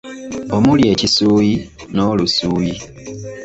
Omuli ekisuuyi n'olusuuyi.